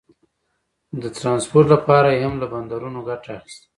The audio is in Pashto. د ټرانسپورټ لپاره یې هم له بندرونو ګټه اخیسته.